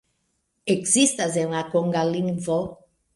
Ekzistas en la konga lingvo.